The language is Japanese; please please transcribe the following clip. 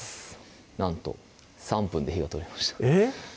なんと３分で火が通りましたえっ？